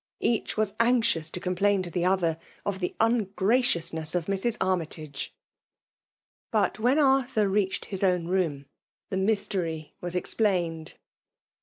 Each was anxious to com plain to the other of the ungraciousness of Mrs. Armytage. But when Arthur reached his own room, the mystery was explained.